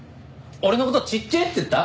俺の事「ちっちぇえ」って言った？